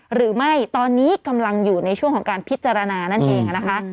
หรือไม่ตอนนี้กำลังอยู่ในช่วงของการพิจารณานั่นเองนะคะ